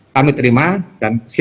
kami terima dan